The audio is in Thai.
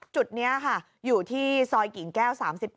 จุดนี้ค่ะอยู่ที่ซอยกิ่งแก้ว๓๘